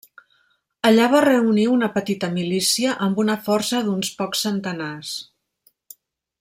Allà va reunir una petita milícia amb una força d'uns pocs centenars.